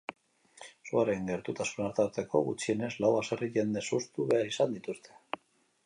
Suaren gertutasuna tarteko, gutxienez lau baserri jendez hustu behar izan dituzte.